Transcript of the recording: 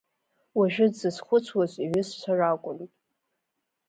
Уажәы дзызхәыцуаз иҩызцәа ракәын.